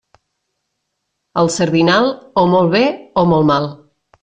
El sardinal, o molt bé o molt mal.